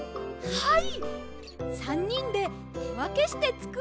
はい！